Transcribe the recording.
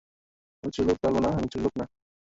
আমাকে ছোটলোক বলবানা, আমি ছোটলোক না?